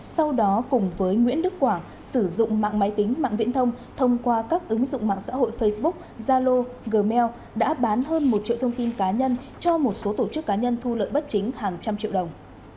sau đó cùng với nguyễn đức quảng sử dụng mạng máy tính mạng viễn thông thông qua các ứng dụng mạng xã hội facebook zalo gmail đã bán hơn một triệu thông tin cá nhân cho một số tổ chức cá nhân thu lợi bất chính hàng trăm triệu đồng